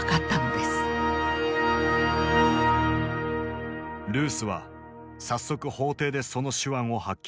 ルースは早速法廷でその手腕を発揮する。